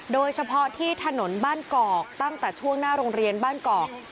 โดยเฉพาะที่ถนนบ้านกอกตั้งแต่ช่วงหน้าโรงเรียนบ้านกอก